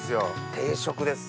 定食です。